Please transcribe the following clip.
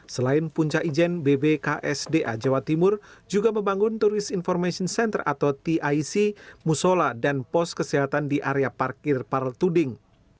selain puncak ijen bbksda jawa timur juga membangun touris information center atau tic musola dan pos kesehatan di area parkir para tuding